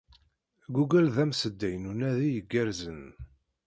Google d amsedday n unadi igerrzen.